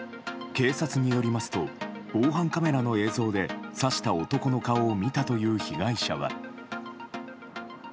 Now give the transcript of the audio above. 警察によりますと防犯カメラの映像で刺した男の顔を見たという被害者は。